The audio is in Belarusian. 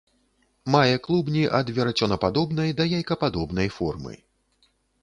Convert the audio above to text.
Мае клубні ад верацёнападобнай да яйкападобнай формы.